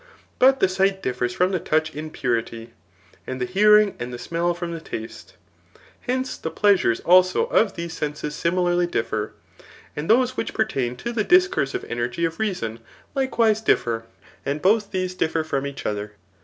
But the dgbt differs from the touch in purity, and the hearing and the smell from the taste. Hence, the pleasures also of these senses dmilarly differ ; and those which pertain to the dacww sive energy of reason, likewise differ, and both these dii gf from each other.